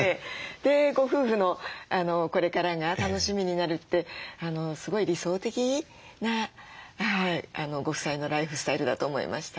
でご夫婦のこれからが楽しみになるってすごい理想的なご夫妻のライフスタイルだと思いました。